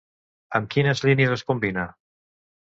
Amb quines línies es combina?